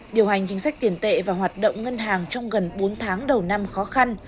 điều hành chính sách tiền tệ và hoạt động ngân hàng trong gần bốn tháng đầu năm khó khăn